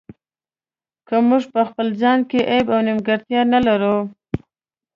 که موږ په خپل ځان کې عیب او نیمګړتیا نه لرو.